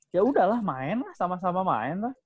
ya udahlah main lah sama sama main lah